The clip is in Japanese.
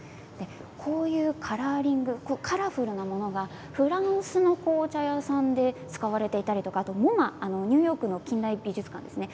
このカラーリングカラフルなものがフランスの紅茶屋さんで使われていたりＭＯＭＡ、ニューヨークの記念美術館ですね。